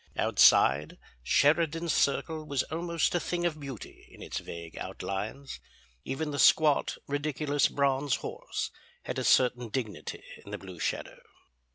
Outside, Sheridan Circle was almost a thing of beauty in its vague outlines; even the squat, ridiculous bronze horse had a certain dignity in the blue shadow.